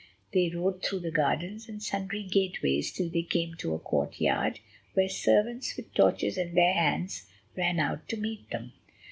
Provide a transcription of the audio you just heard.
They rode through the gardens and sundry gateways till they came to a courtyard where servants, with torches in their hands, ran out to meet them.